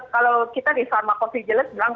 kalau kita di salma kostri jelis bilang